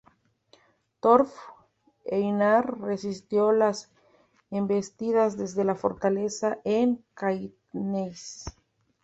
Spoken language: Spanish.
Torf-Einarr resistió las embestidas desde la fortaleza en Caithness.